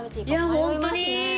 本当に。